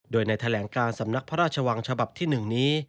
โดยในแถลงการสำนักพระราชวังฉบับที่๑นี้